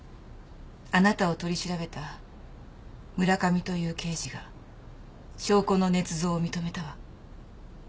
あなたを取り調べた村上という刑事が証拠の捏造を認めたわ。